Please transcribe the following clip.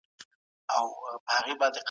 د ارغنداب سیند د غرونو او خوړونو اوبه راټولوي.